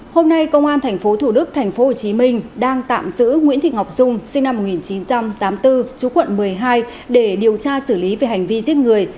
hôm nay công an tp thủ đức tp hcm đang tạm giữ nguyễn thị ngọc dung sinh năm một nghìn chín trăm tám mươi bốn chú quận một mươi hai để điều tra xử lý về hành vi giết người